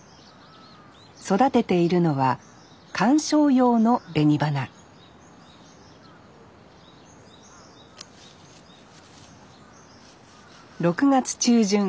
育てているのは鑑賞用の紅花６月中旬。